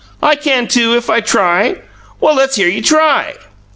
"I can, too, if I try." "Well, let's hear you try!"